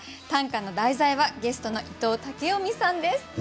短歌の題材はゲストの伊藤剛臣さんです。